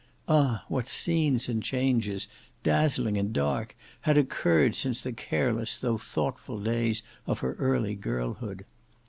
Ah! what scenes and changes, dazzling and dark, had occurred since the careless though thoughtful days of her early girlhood!